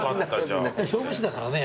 勝負師だからね。